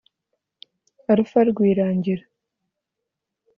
Alpha Rwirangira